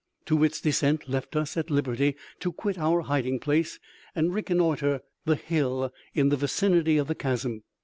Too wit's descent left us at liberty to quit our hiding place and reconnoitre the hill in the vicinity of the chasm.